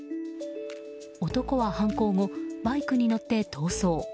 男は犯行後、バイクに乗って逃走。